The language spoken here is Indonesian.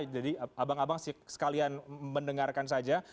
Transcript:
jadi abang abang sekalian mendengarkan saja